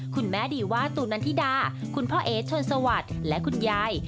คุณแม่ดีว่าตูนันทิดาคุณพ่อเอ๋ชนสวัสดิ์และคุณยาย